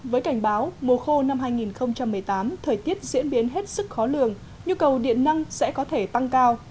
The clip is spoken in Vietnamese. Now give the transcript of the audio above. với cảnh báo mùa khô năm hai nghìn một mươi tám thời tiết diễn biến hết sức khó lường nhu cầu điện năng sẽ có thể tăng cao